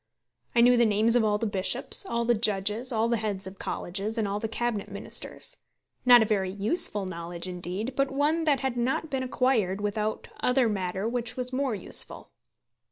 I knew the names of all the Bishops, all the Judges, all the Heads of Colleges, and all the Cabinet Ministers, not a very useful knowledge indeed, but one that had not been acquired without other matter which was more useful.